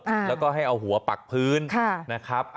แล้วก็ให้เอาหัวปักพื้นนะครับ